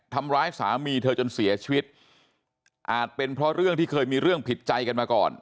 ทำร้ายสามีเธอจนเสียชีวิตอาจเป็นเพราะเรื่องที่เคยมีเรื่องผิดใจกันมาก่อน